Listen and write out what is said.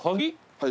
はい。